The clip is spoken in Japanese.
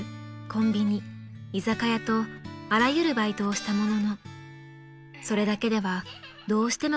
コンビニ居酒屋とあらゆるバイトをしたもののそれだけではどうしても暮らしが立ちゆかず］